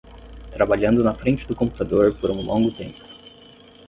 Trabalhando na frente do computador por um longo tempo